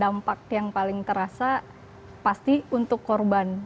dampak yang paling terasa pasti untuk korban